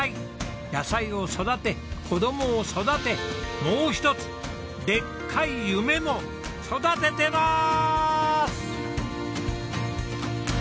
野菜を育て子供を育てもう一つでっかい夢も育ててます！